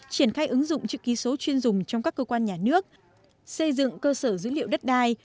triển khai ứng dụng chữ ký số chuyên dùng trong các cơ quan nhà nước xây dựng cơ sở dữ liệu đất đai